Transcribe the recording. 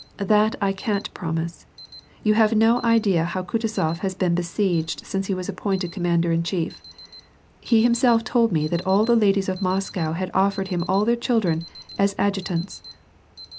^ That I can't promise. You have no idea how Kutuzof has been besieged since he was appointed commander in chief. He himself told me that all the ladies of Moscow had offered him all their children as adjutants."